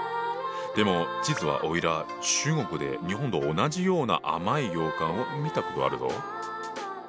でも実はおいら中国で日本と同じような甘い羊羹を見たことあるぞ。